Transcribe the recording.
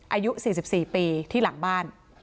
อายุ๔๔ปีที่หลังบ้าน